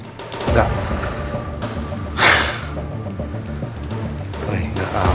tolong suruh ub ke ruangan saya ya